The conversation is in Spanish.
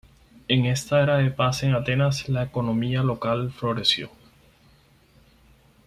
En esta era de paz en Atenas la economía local floreció.